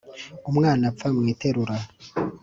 Umwana apfa mu iterura.